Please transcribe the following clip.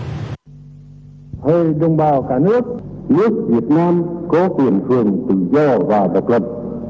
thời đồng bào cả nước nước việt nam có quyền thường tự do và độc lập